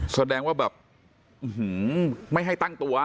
แสดงว่าแบบไม่ให้ตั้งตัว